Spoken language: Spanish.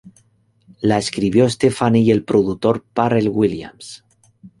La escribió Stefani y el productor Pharrell Williams.